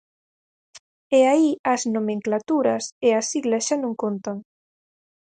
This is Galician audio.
E aí as nomenclaturas e as siglas xa non contan.